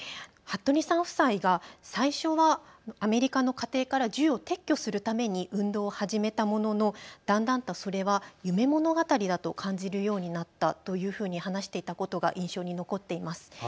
服部さん夫妻が最初はアメリカの家庭から銃を撤去するために運動を始めたもののだんだんと、それは夢物語だと感じるようになったというふうに話していたことが印象に残っています。